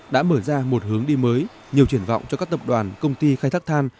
đã mở ra một hướng đi mới nhiều triển vọng cho các tập đoàn công ty khai thác than